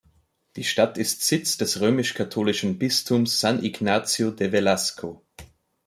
Die Stadt ist Sitz des römisch-katholischen Bistums San Ignacio de Velasco.